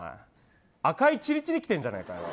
赤いチリチリ来てんじゃねえかよ。